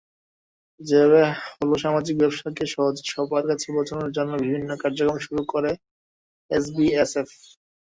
যেভাবে হলোসামাজিক ব্যবসাকে সহজে সবার কাছে পৌঁছানের জন্য বিভিন্ন কার্যক্রম শুরু করে এসবিএসএফ।